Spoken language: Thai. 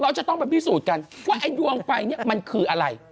เราจะต้องไปพิสูจน์กันว่าไอ้ดวงไฟเนี่ยมันคืออะไร